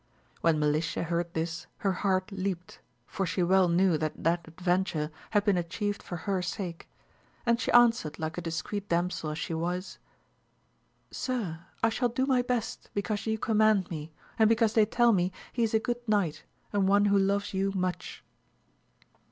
When Melicia heard this her heart leaped, for she well knew that that adventure had been at AMADIS OF GAUL, 171 chieved for her sake ; and she answered like a discreet, damsel as she was, Sir, I shall do my best because you command me, and because they tell me he is a good knight, and one who loves you much.